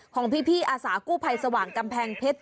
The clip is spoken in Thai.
ของพี่อาสากู้ภัยสว่างกำแพงเพชร